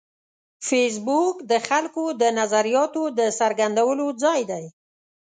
فېسبوک د خلکو د نظریاتو د څرګندولو ځای دی